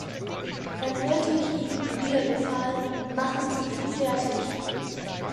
Dann hörte ich ihn, wie er befahl: Machen sie ihn fertig!